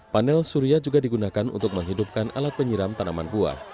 panel surya juga digunakan untuk menghidupkan alat penyiram tanaman buah